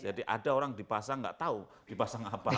jadi ada orang dipasang enggak tahu dipasang apa